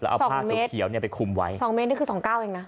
เอาผ้าเขียวเนี่ยไปคุมไว้สองเมตรนี่คือสองเก้าเองนะ